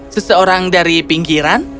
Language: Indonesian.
seseorang dari pinggiran